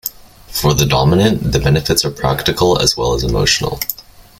For the dominant, the benefits are practical as well as emotional.